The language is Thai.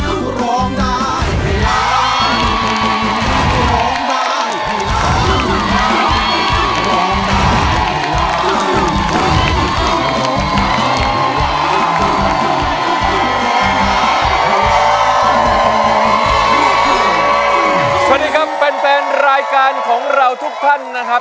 สวัสดีครับแฟนรายการของเราทุกท่านนะครับ